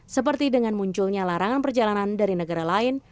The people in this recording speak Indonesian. seperti dengan munculnya larangan perjalanan dari negara lain